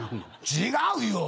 違うよ！